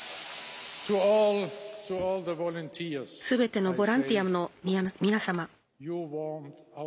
すべてのボランティアの皆様。